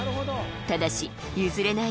ただし譲れない